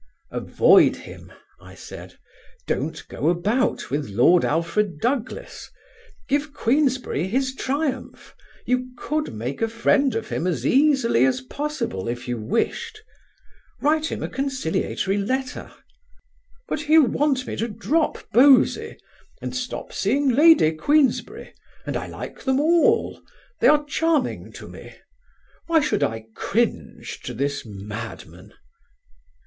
"Avoid him," I said. "Don't go about with Lord Alfred Douglas. Give Queensberry his triumph. You could make a friend of him as easily as possible, if you wished. Write him a conciliatory letter." "But he'll want me to drop Bosie, and stop seeing Lady Queensberry, and I like them all; they are charming to me. Why should I cringe to this madman?"